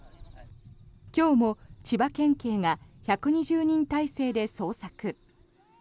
今日も千葉県警が１２０人態勢で捜索。